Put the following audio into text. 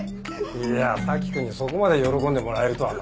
いや佐木君にそこまで喜んでもらえるとはな。